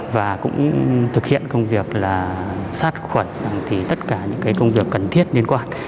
và cũng thực hiện công việc là sát khuẩn tất cả những công việc cần thiết liên quan